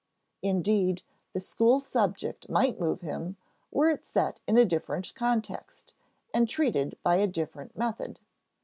Indeed, the school subject might move him, were it set in a different context and treated by a different method.